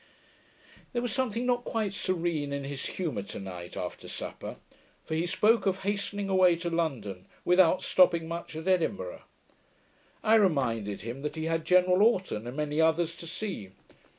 There was something not quite serene in his humour to night, after supper; for he spoke of hastening away to London, without stopping much at Edinburgh. I reminded him, that he had General Oughton and many others to see.